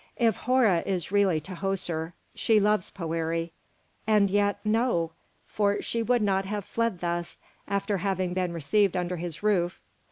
"If Hora is really Tahoser, she loves Poëri. And yet, no! for she would not have fled thus, after having been received under his roof.